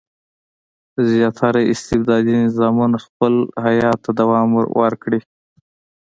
زیاتره استبدادي نظامونه خپل حیات ته دوام ورکړي.